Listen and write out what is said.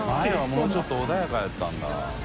もうちょっと穏やかだったんだ。